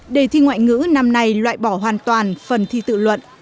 đề thi ngoại ngữ năm nay loại bỏ hoàn toàn phần thi tự luận